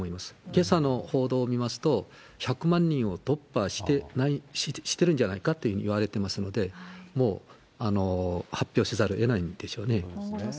けさの報道を見ますと、１００万人を突破してるんじゃないかというふうにいわれてますので、もう発表せざるをえないんでしょうね。